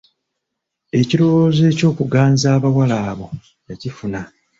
Ekirowoozo eky'okuganza abawala abo yakifuna.